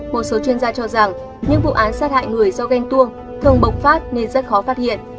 một số chuyên gia cho rằng những vụ án sát hại người do ghen tuông thường bộc phát nên rất khó phát hiện